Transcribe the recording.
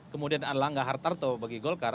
kemudian erlangga hartarto bagi golkar